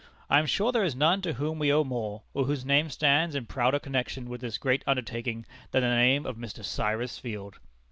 I am sure there is none to whom we owe more, or whose name stands in prouder connection with this great undertaking, than the name of Mr. Cyrus Field."